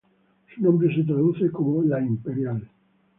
Su nombre se traduce como "la Imperial".